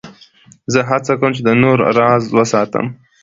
زه هڅه کوم، چي د نورو راز وساتم.